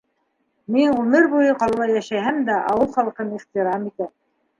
Мин ғүмер буйы ҡалала йәшәһәм дә ауыл халҡын ихтирам итәм.